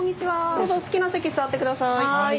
どうぞお好きな席座ってください。